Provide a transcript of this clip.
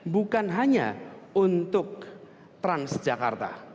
bukan hanya untuk transjakarta